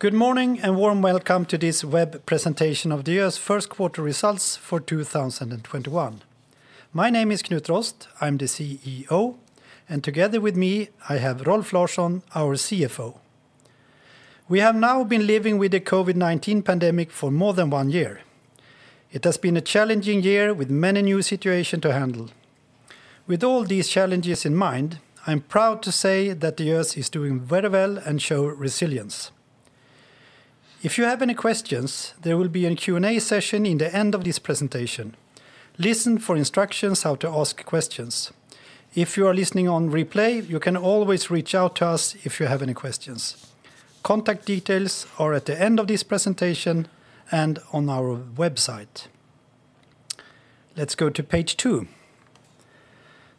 Good morning and warm welcome to this web presentation of Diös first quarter results for 2021. My name is Knut Rost. I'm the CEO, and together with me, I have Rolf Larsson, our CFO. We have now been living with the COVID-19 pandemic for more than one year. It has been a challenging year with many new situation to handle. With all these challenges in mind, I'm proud to say that Diös is doing very well and show resilience. If you have any questions, there will be a Q&A session in the end of this presentation. Listen for instructions how to ask questions. If you are listening on replay, you can always reach out to us if you have any questions. Contact details are at the end of this presentation and on our website. Let's go to page two.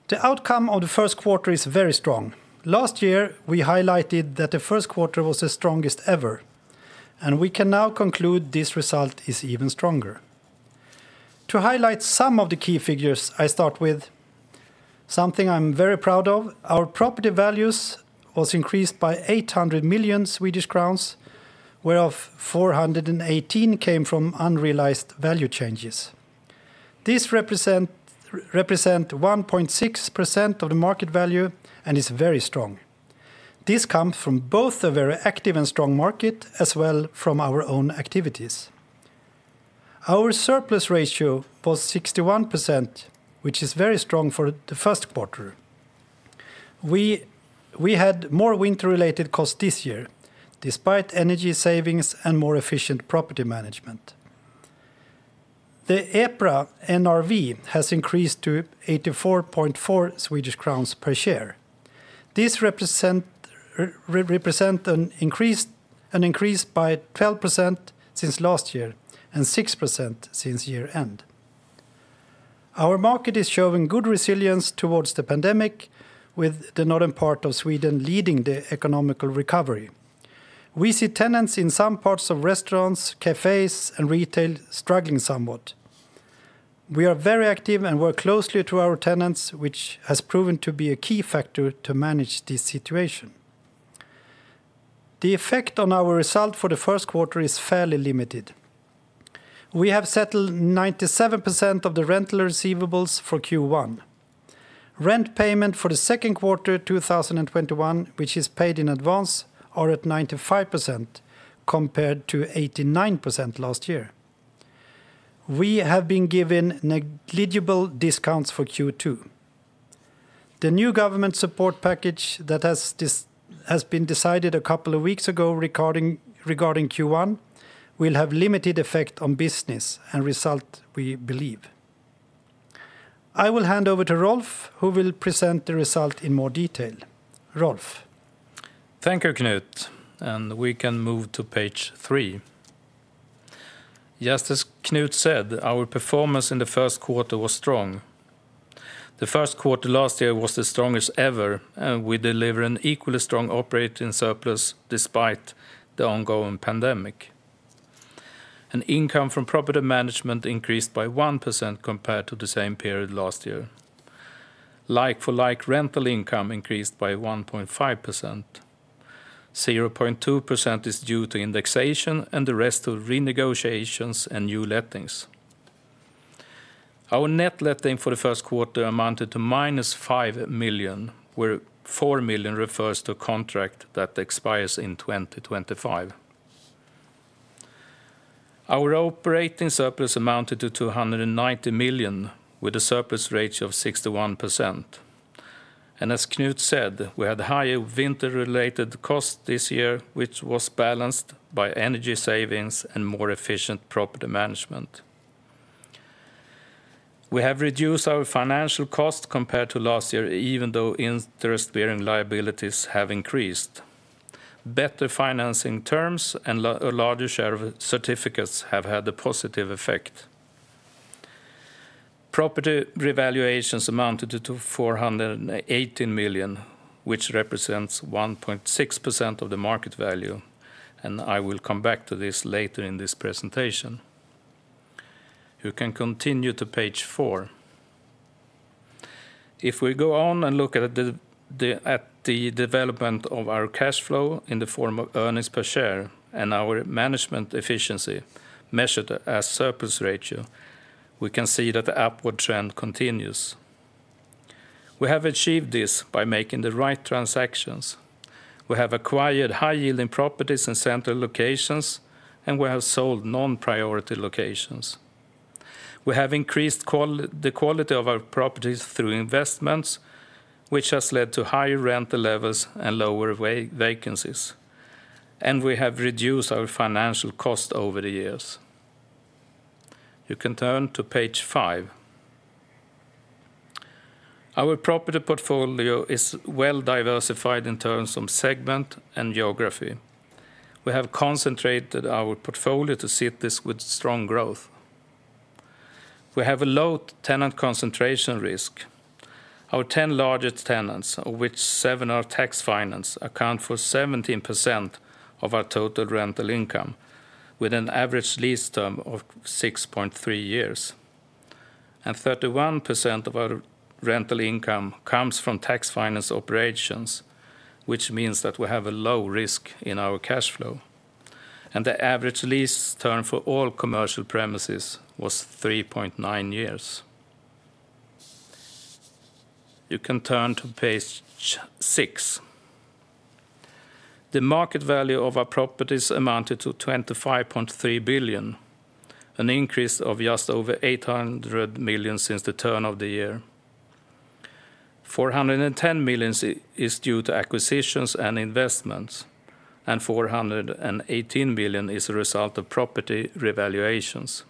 The outcome of the first quarter is very strong. Last year, we highlighted that the first quarter was the strongest ever, we can now conclude this result is even stronger. To highlight some of the key figures, I start with something I'm very proud of. Our property values were increased by 800 million Swedish crowns, whereof 418 million came from unrealized value changes. This represents 1.6% of the market value and is very strong. This comes from both a very active and strong market as well from our own activities. Our surplus ratio was 61%, which is very strong for the first quarter. We had more winter-related costs this year despite energy savings and more efficient property management. The EPRA NRV has increased to 84.4 Swedish crowns per share. This represents an increase by 12% since last year and 6% since year-end. Our market is showing good resilience towards the pandemic with the northern part of Sweden leading the economical recovery. We see tenants in some parts of restaurants, cafes, and retail struggling somewhat. We are very active and work closely to our tenants, which has proven to be a key factor to manage this situation. The effect on our result for the first quarter is fairly limited. We have settled 97% of the rental receivables for Q1. Rent payment for the second quarter 2021, which is paid in advance, are at 95% compared to 89% last year. We have been given negligible discounts for Q2. The new government support package that has been decided a couple of weeks ago regarding Q1 will have limited effect on business and result we believe. I will hand over to Rolf, who will present the result in more detail. Rolf. Thank you, Knut, we can move to page three. Yes, as Knut said, our performance in the first quarter was strong. The first quarter last year was the strongest ever, we deliver an equally strong operating surplus despite the ongoing pandemic. Income from property management increased by 1% compared to the same period last year. Like-for-like rental income increased by 1.5%. 0.2% is due to indexation, the rest of renegotiations and new lettings. Our net letting for the first quarter amounted to -5 million, where 4 million refers to a contract that expires in 2025. Our operating surplus amounted to 290 million, with a surplus ratio of 61%. As Knut said, we had higher winter-related costs this year, which was balanced by energy savings and more efficient property management. We have reduced our financial cost compared to last year, even though interest-bearing liabilities have increased. Better financing terms and a larger share of certificates have had a positive effect. Property revaluations amounted to 418 million, which represents 1.6% of the market value, and I will come back to this later in this presentation. You can continue to page four. If we go on and look at the development of our cash flow in the form of earnings per share and our management efficiency measured as surplus ratio, we can see that the upward trend continues. We have achieved this by making the right transactions. We have acquired high-yielding properties in central locations. We have sold non-priority locations. We have increased the quality of our properties through investments, which has led to higher rental levels and lower vacancies. We have reduced our financial cost over the years. You can turn to page five. Our property portfolio is well diversified in terms of segment and geography. We have concentrated our portfolio to cities with strong growth. We have a low tenant concentration risk. Our 10 largest tenants, of which seven are tax-financed, account for 17% of our total rental income, with an average lease term of 6.3 years. 31% of our rental income comes from tax-financed operations, which means that we have a low risk in our cash flow. The average lease term for all commercial premises was 3.9 years. You can turn to page six. The market value of our properties amounted to 25.3 billion, an increase of just over 800 million since the turn of the year. 410 million is due to acquisitions and investments, and 418 million is a result of property revaluations.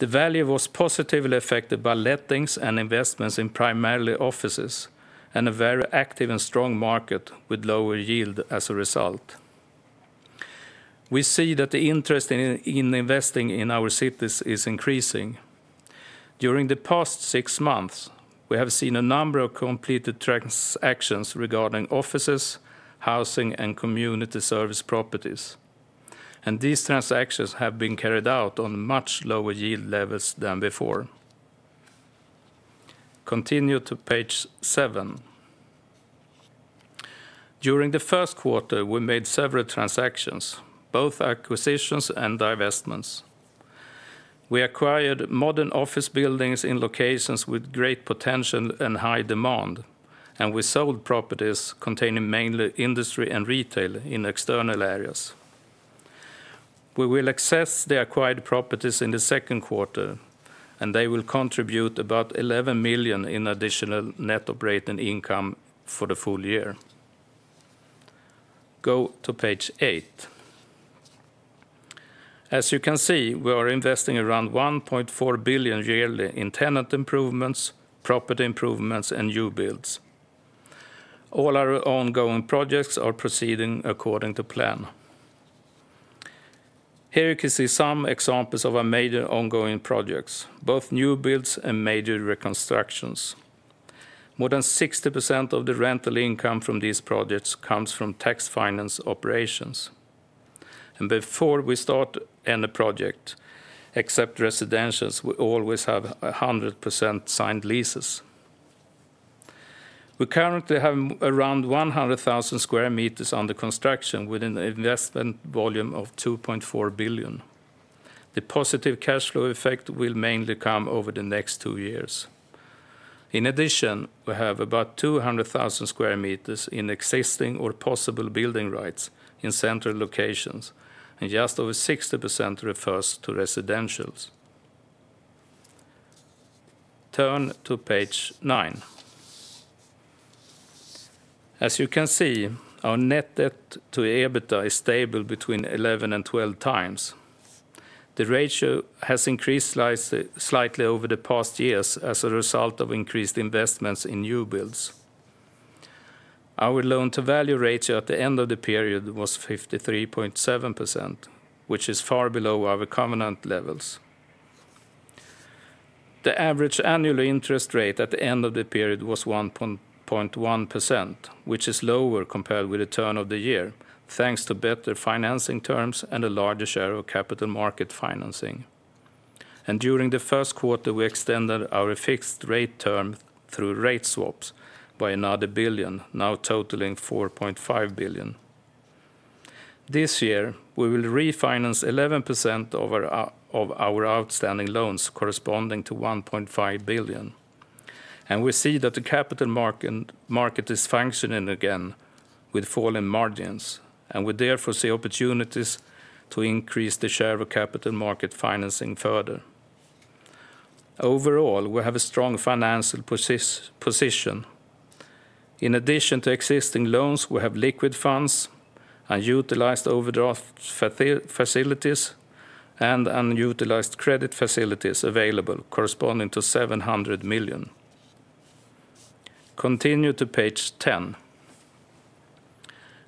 The value was positively affected by lettings and investments in primarily offices and a very active and strong market with lower yield as a result. We see that the interest in investing in our cities is increasing. During the past six months, we have seen a number of completed transactions regarding offices, housing, and community service properties, and these transactions have been carried out on much lower yield levels than before. Continue to page seven. During the first quarter, we made several transactions, both acquisitions and divestments. We acquired modern office buildings in locations with great potential and high demand, and we sold properties containing mainly industry and retail in external areas. We will access the acquired properties in the second quarter, and they will contribute about 11 million in additional net operating income for the full year. Go to page eight. As you can see, we are investing around 1.4 billion yearly in tenant improvements, property improvements, and new builds. All our ongoing projects are proceeding according to plan. Here you can see some examples of our major ongoing projects, both new builds and major reconstructions. More than 60% of the rental income from these projects comes from tax-financed operations. Before we start any project, except residentials, we always have 100% signed leases. We currently have around 100,000 sq m under construction with an investment volume of 2.4 billion. The positive cash flow effect will mainly come over the next two years. In addition, we have about 200,000 sq m in existing or possible building rights in central locations, and just over 60% refers to residentials. Turn to page nine. As you can see, our net debt to EBITDA is stable between 11x and 12x. The ratio has increased slightly over the past years as a result of increased investments in new builds. Our loan-to-value ratio at the end of the period was 53.7%, which is far below our covenant levels. The average annual interest rate at the end of the period was 1.1%, which is lower compared with the turn of the year, thanks to better financing terms and a larger share of capital market financing. During the first quarter, we extended our fixed rate term through rate swaps by another 1 billion, now totaling 4.5 billion. This year, we will refinance 11% of our outstanding loans corresponding to 1.5 billion. We see that the capital market is functioning again with fall in margins, and we therefore see opportunities to increase the share of capital market financing further. Overall, we have a strong financial position. In addition to existing loans, we have liquid funds and utilized overdraft facilities and unutilized credit facilities available corresponding to 700 million. Continue to page 10.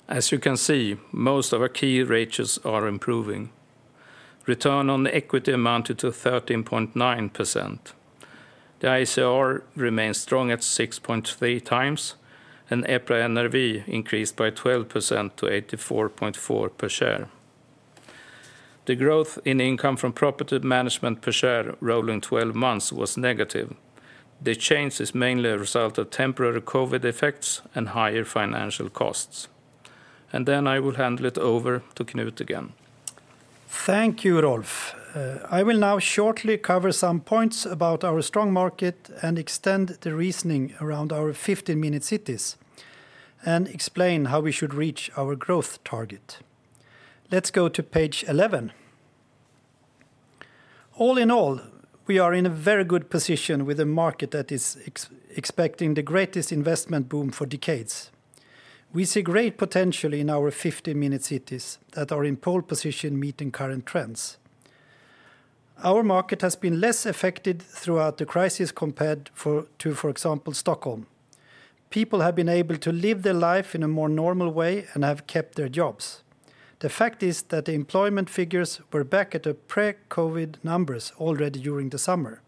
As you can see, most of our key ratios are improving. Return on equity amounted to 13.9%. The ICR remains strong at 6.3x, and EPRA NRV increased by 12% to 84.4 per share. The growth in income from property management per share rolling 12 months was negative. The change is mainly a result of temporary COVID-19 effects and higher financial costs. I will hand it over to Knut again. Thank you, Rolf. I will now shortly cover some points about our strong market and extend the reasoning around our 15-minute city and explain how we should reach our growth target. Let's go to page 11. All in all, we are in a very good position with a market that is expecting the greatest investment boom for decades. We see great potential in our 15-minute city that are in pole position meeting current trends. Our market has been less affected throughout the crisis compared to, for example, Stockholm. People have been able to live their life in a more normal way and have kept their jobs. The fact is that the employment figures were back at the pre-COVID numbers already during the summer.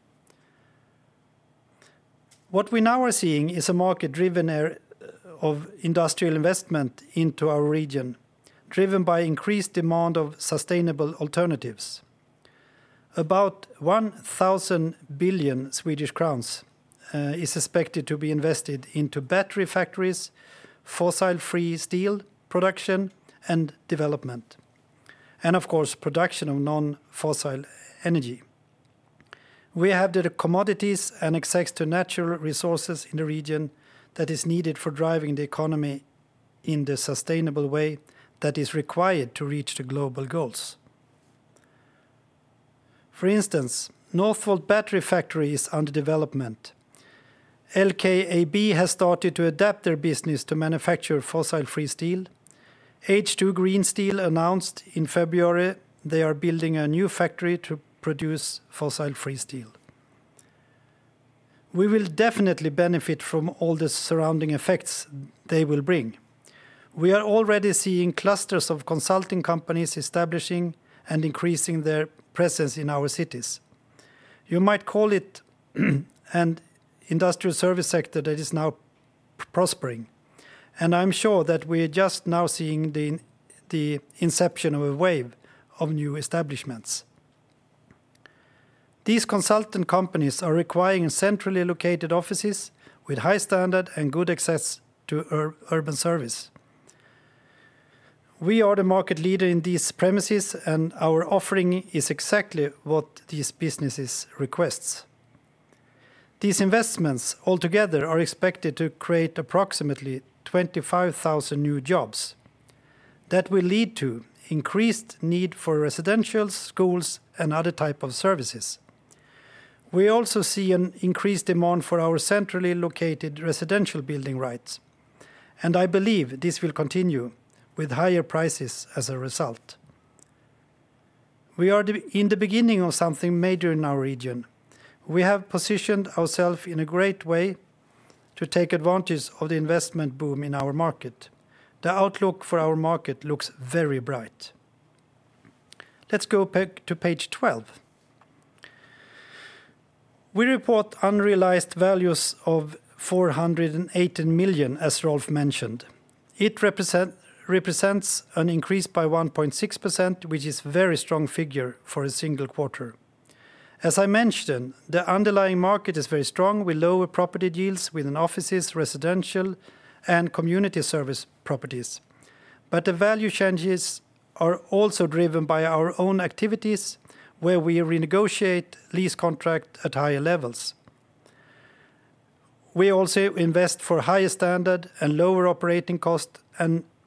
What we now are seeing is a market-driven era of industrial investment into our region, driven by increased demand of sustainable alternatives. About 1,000 billion Swedish crowns is expected to be invested into battery factories, fossil-free steel production and development, and of course, production of non-fossil energy. We have the commodities and access to natural resources in the region that is needed for driving the economy in the sustainable way that is required to reach the global goals. For instance, Northvolt battery factory is under development. LKAB has started to adapt their business to manufacture fossil-free steel. H2 Green Steel announced in February they are building a new factory to produce fossil-free steel. We will definitely benefit from all the surrounding effects they will bring. We are already seeing clusters of consulting companies establishing and increasing their presence in our cities. You might call it an industrial service sector that is now prospering, and I'm sure that we're just now seeing the inception of a wave of new establishments. These consultant companies are requiring centrally located offices with high standard and good access to urban service. We are the market leader in these premises, and our offering is exactly what these businesses request. These investments altogether are expected to create approximately 25,000 new jobs. That will lead to increased need for residentials, schools, and other type of services. We also see an increased demand for our centrally located residential building rights, and I believe this will continue with higher prices as a result. We are in the beginning of something major in our region. We have positioned ourself in a great way to take advantage of the investment boom in our market. The outlook for our market looks very bright. Let's go to page 12. We report unrealized values of 418 million, as Rolf mentioned. It represents an increase by 1.6%, which is a very strong figure for a single quarter. As I mentioned, the underlying market is very strong, with lower property deals within offices, residential, and community service properties. The value changes are also driven by our own activities, where we renegotiate lease contract at higher levels. We also invest for higher standard and lower operating cost,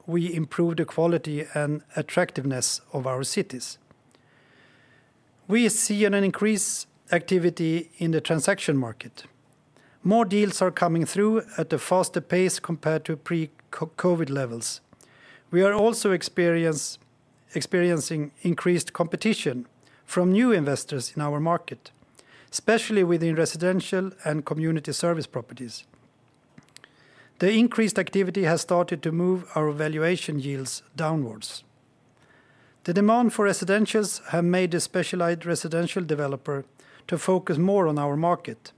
we improve the quality and attractiveness of our cities. We see an increased activity in the transaction market. More deals are coming through at a faster pace compared to pre-COVID levels. We are also experiencing increased competition from new investors in our market, especially within residential and community service properties. The increased activity has started to move our valuation yields downwards. The demand for residentials have made a specialized residential developer to focus more on our market.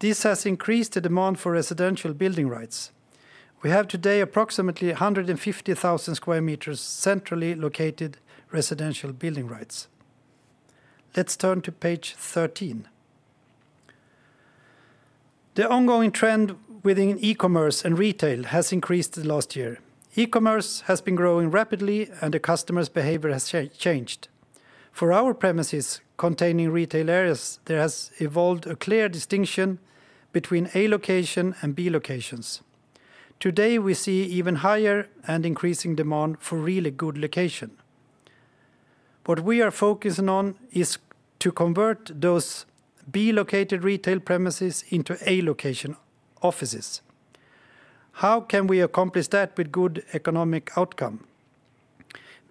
This has increased the demand for residential building rights. We have today approximately 150,000 sq m centrally located residential building rights. Let's turn to page 13. The ongoing trend within e-commerce and retail has increased in the last year. E-commerce has been growing rapidly, and the customers' behavior has changed. For our premises containing retail areas, there has evolved a clear distinction between A location and B locations. Today, we see even higher and increasing demand for really good location. What we are focusing on is to convert those B-located retail premises into A location offices. How can we accomplish that with good economic outcome?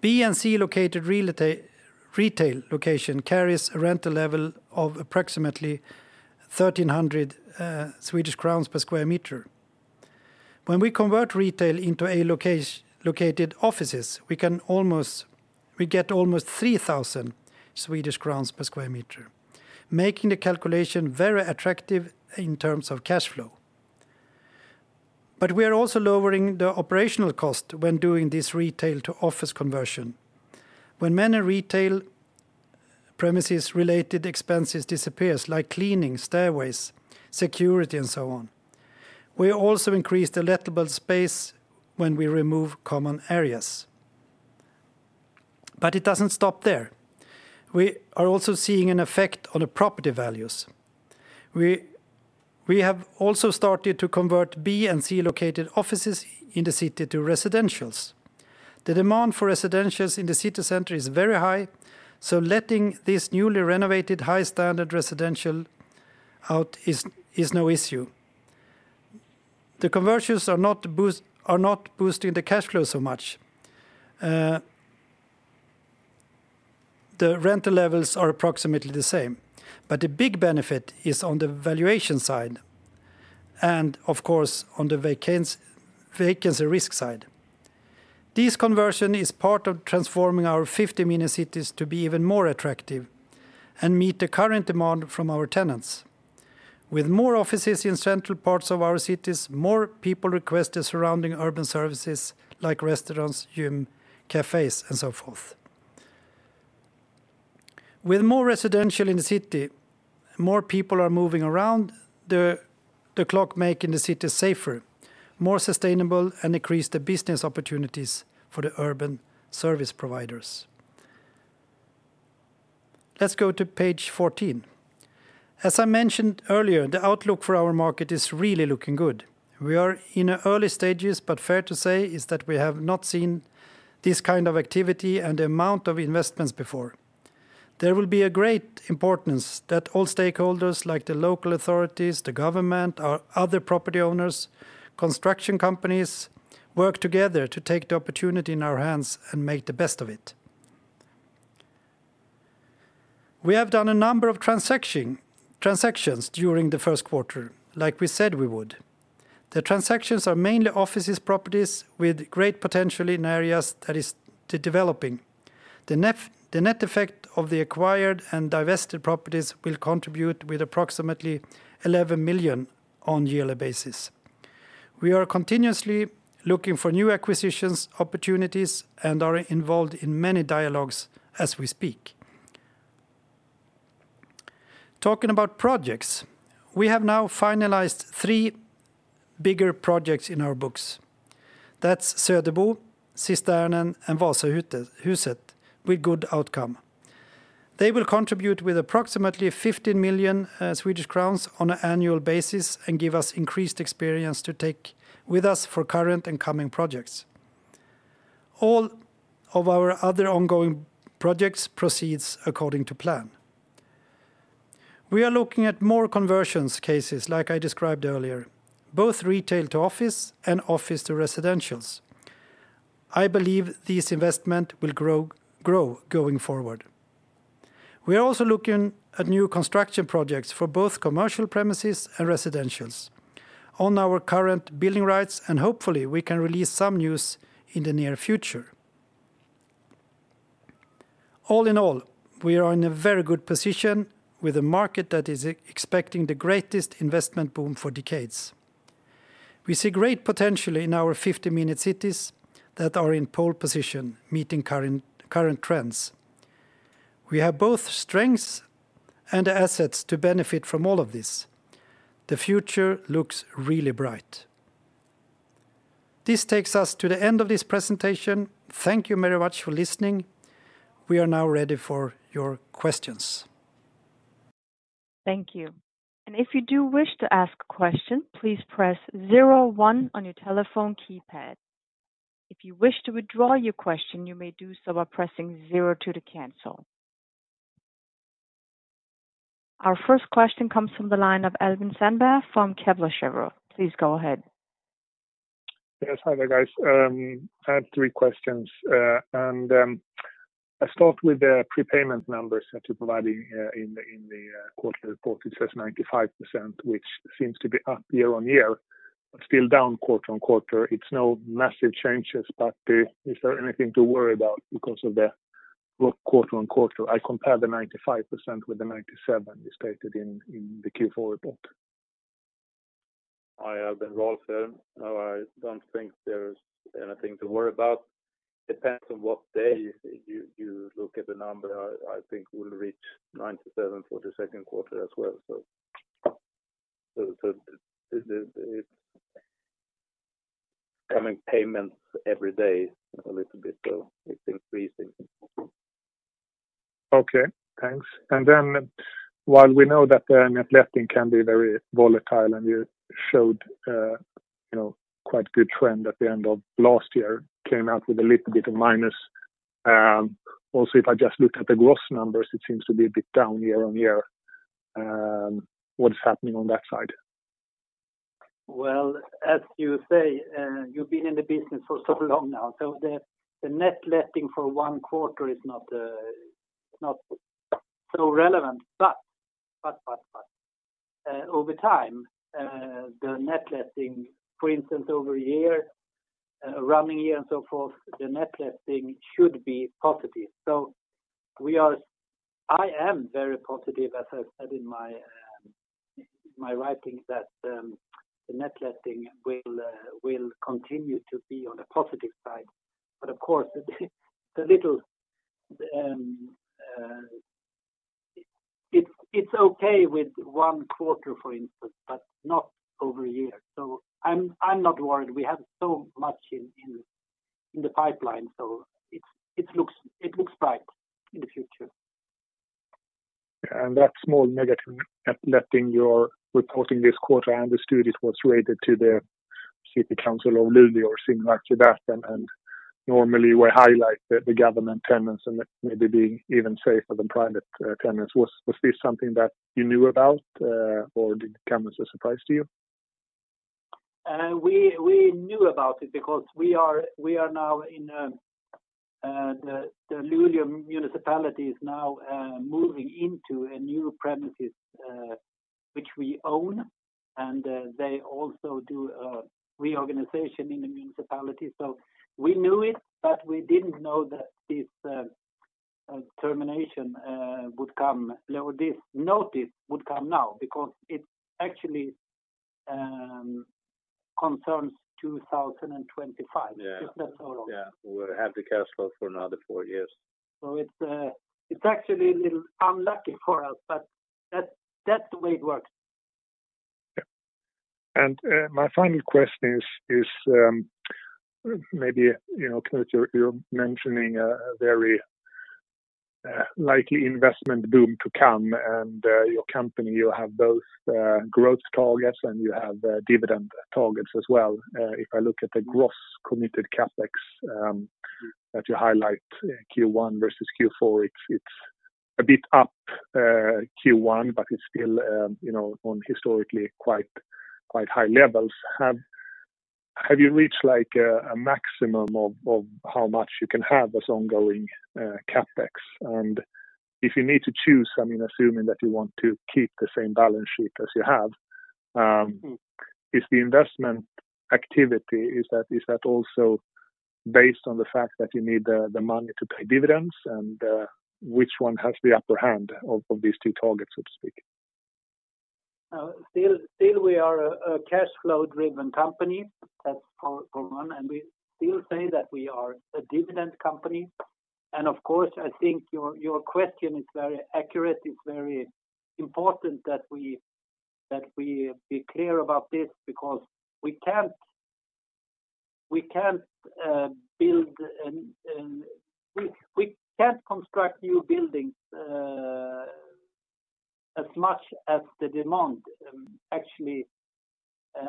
B and C located retail location carries a rental level of approximately 1,300 Swedish crowns per square meter. When we convert retail into A located offices, we get almost 3,000 Swedish crowns per square meter, making the calculation very attractive in terms of cash flow. We are also lowering the operational cost when doing this retail to office conversion, when many retail premises related expenses disappear, like cleaning stairways, security, and so on. We also increase the lettable space when we remove common areas. It doesn't stop there. We are also seeing an effect on the property values. We have also started to convert B and C located offices in the city to residentials. The demand for residentials in the city center is very high, so letting these newly renovated, high standard residentials out is no issue. The conversions are not boosting the cash flow so much. The rental levels are approximately the same, but the big benefit is on the valuation side, and of course, on the vacancy risk side. This conversion is part of transforming our 15-minute cities to be even more attractive and meet the current demand from our tenants. With more offices in central parts of our cities, more people request the surrounding urban services like restaurants, gym, cafes, and so forth. With more residential in the city, more people are moving around the clock, making the city safer, more sustainable, and increase the business opportunities for the urban service providers. Let's go to page 14. As I mentioned earlier, the outlook for our market is really looking good. We are in the early stages, but fair to say is that we have not seen this kind of activity and the amount of investments before. There will be a great importance that all stakeholders like the local authorities, the government, other property owners, construction companies, work together to take the opportunity in our hands and make the best of it. We have done a number of transactions during the first quarter, like we said we would. The transactions are mainly offices properties with great potential in areas that is developing. The net effect of the acquired and divested properties will contribute with approximately 11 million on yearly basis. We are continuously looking for new acquisitions opportunities and are involved in many dialogues as we speak. Talking about projects, we have now finalized three bigger projects in our books. That's Söderbo, Cisternen, and Vasahuset with good outcome. They will contribute with approximately 15 million Swedish crowns on an annual basis and give us increased experience to take with us for current and coming projects. All of our other ongoing projects proceeds according to plan. We are looking at more conversions cases, like I described earlier, both retail to office and office to residentials. I believe this investment will grow going forward. We are also looking at new construction projects for both commercial premises and residentials on our current building rights, and hopefully we can release some news in the near future. All in all, we are in a very good position with a market that is expecting the greatest investment boom for decades. We see great potential in our 15-minute cities that are in pole position meeting current trends. We have both strengths and the assets to benefit from all of this. The future looks really bright. This takes us to the end of this presentation. Thank you very much for listening. We are now ready for your questions. Thank you. If you do wish to ask a question, please press zero one on your telephone keypad. If you wish to withdraw your question, you may do so by pressing zero two to cancel. Our first question comes from the line of Albin Sandberg from Kepler Cheuvreux. Please go ahead. Yes. Hi there, guys. I have three questions. I'll start with the prepayment numbers that you provided in the quarter report. It says 95%, which seems to be up year-over-year, but still down quarter-over-quarter. It's no massive changes, but is there anything to worry about because of the quarter-over-quarter? I compare the 95% with the 97% you stated in the Q4 report. Hi, Albin. Rolf here. No, I don't think there's anything to worry about. Depends on what day you look at the number. I think we'll reach 97 for the second quarter as well. It's coming payments every day a little bit, so it's increasing. Okay, thanks. While we know that the net letting can be very volatile, and you showed quite a good trend at the end of last year, came out with a little bit of minus. If I just look at the gross numbers, it seems to be a bit down year-on-year. What is happening on that side? As you say, you've been in the business for so long now, the net letting for one quarter is not so relevant. Over time, the net letting, for instance, over a year, a running year and so forth, the net letting should be positive. I am very positive, as I said in my writing, that the net letting will continue to be on the positive side. Of course, it's okay with one quarter, for instance, but not over a year. I'm not worried. We have so much in the pipeline, so it looks bright in the future. That small negative net letting you're reporting this quarter, I understood it was related to the city council of Luleå or similar to that, and normally we highlight the government tenants and that maybe being even safer than private tenants. Was this something that you knew about, or did it come as a surprise to you? We knew about it because we are now in The Luleå Municipality is now moving into a new premises which we own, and they also do a reorganization in the municipality. We knew it, but we didn't know that this termination or this notice would come now because it actually concerns 2025. Yeah. If that's all right. Yeah. We have the cash flow for another four years. It's actually a little unlucky for us, but that's the way it works. Yeah. My final question is, maybe, Knut, you are mentioning a very likely investment boom to come, and your company, you have both growth targets and you have dividend targets as well. If I look at the gross committed CapEx that you highlight Q1 versus Q4, it is a bit up Q1, but it is still on historically quite high levels. Have you reached a maximum of how much you can have as ongoing CapEx? If you need to choose, assuming that you want to keep the same balance sheet as you have, is the investment activity, is that also based on the fact that you need the money to pay dividends? Which one has the upper hand of these two targets, so to speak? Still we are a cash flow-driven company. That's for one. We still say that we are a dividend company. Of course, I think your question is very accurate. It's very important that we be clear about this because we can't construct new buildings as much as the demand actually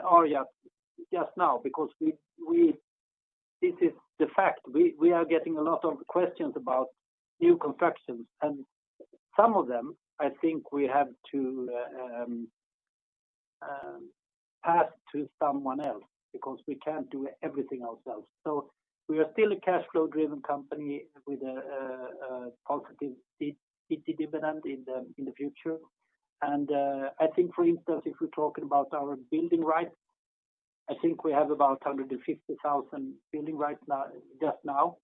are just now. This is the fact. We are getting a lot of questions about new constructions. Some of them, I think we have to pass to someone else because we can't do everything ourselves. We are still a cash flow-driven company with a positive dividend in the future. I think, for instance, if we're talking about our building right now, I think we have about 150,000 building right just now.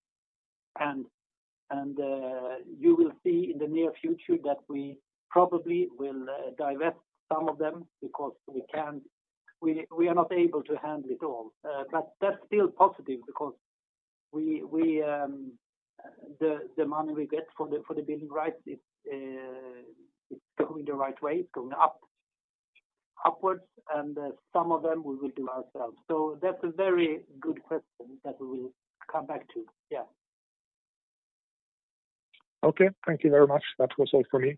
You will see in the near future that we probably will divest some of them because we are not able to handle it all. That's still positive because the money we get for the building right is going the right way. It's going upwards, some of them we will do ourselves. That's a very good question that we will come back to. Yeah. Okay. Thank you very much. That was all for me.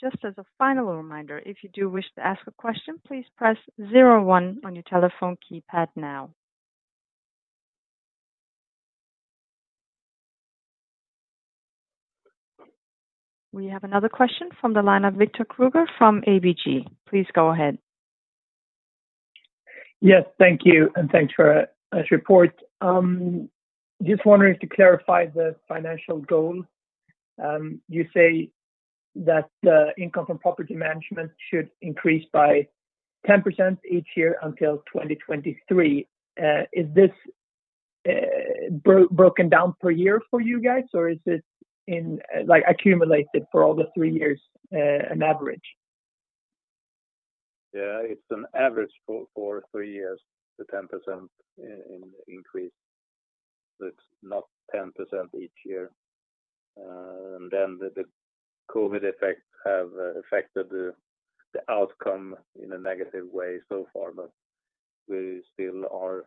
Just as a final reminder, if you do wish to ask a question, please press zero one on your telephone keypad now. We have another question from the line of Henrik Krüger from ABG. Please go ahead. Yes, thank you. Thanks for this report. Just wondering if you clarify the financial goal? You say that the income from property management should increase by 10% each year until 2023. Is this broken down per year for you guys, or is it accumulated for all the three years, an average? Yeah, it's an average for three years, the 10% increase. It's not 10% each year. The COVID effect have affected the outcome in a negative way so far, but we still are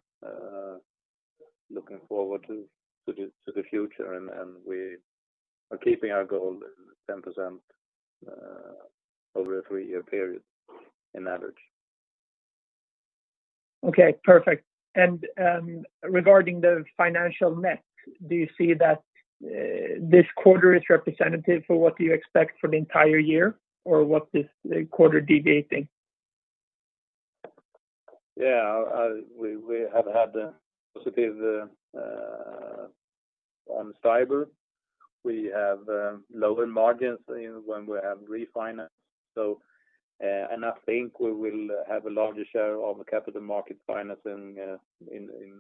looking forward to the future, and we are keeping our goal 10% over a three-year period in average. Okay, perfect. Regarding the financial net, do you see that this quarter is representative for what you expect for the entire year, or what is the quarter deviating? Yeah. We have had a positive on fiber. We have lower margins when we have refinance. I think we will have a larger share of the capital market financing in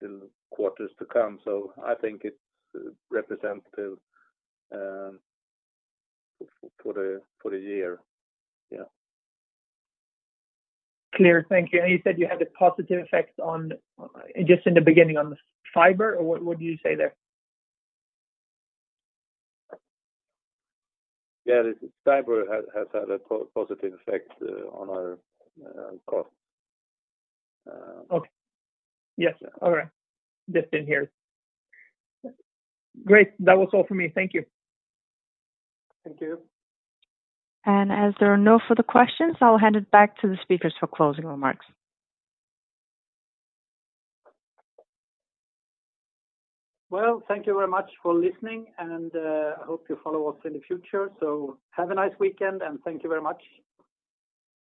the quarters to come. I think it's representative for the year. Yeah. Clear. Thank you. You said you had a positive effect just in the beginning on the fiber, or what did you say there? Yeah. The fiber has had a positive effect on our cost. Okay. Yes. All right. Just in here. Great. That was all for me. Thank you. Thank you. As there are no further questions, I'll hand it back to the speakers for closing remarks. Thank you very much for listening, and I hope you follow us in the future. Have a nice weekend, and thank you very much.